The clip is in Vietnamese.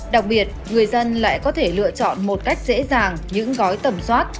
đặc biệt người dân lại có thể lựa chọn một cách dễ dàng những gói tẩm soát